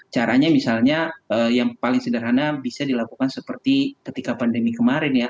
caranya misalnya yang paling sederhana bisa dilakukan seperti ketika pandemi kemarin ya